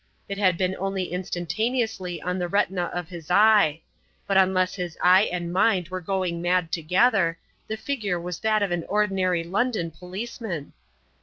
It had been only instantaneously on the retina of his eye; but unless his eye and mind were going mad together, the figure was that of an ordinary London policeman.